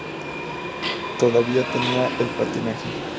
Todavía tenía el patinaje.